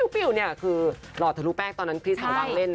ปิ๊วคือหลอดทะลูแป้งตอนนั้นพี่สาววางเล่น